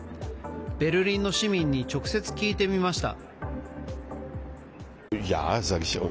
ベルリンの市民に直接聞いてみました。